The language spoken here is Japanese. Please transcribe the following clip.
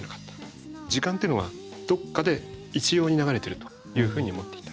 時間っていうのはどっかで一様に流れてるというふうに思っていた。